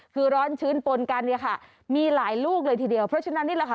คือร้อนชื้นปนกันเนี่ยค่ะมีหลายลูกเลยทีเดียวเพราะฉะนั้นนี่แหละค่ะ